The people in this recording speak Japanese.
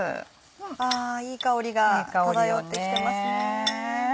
わぁいい香りが漂ってきてますね。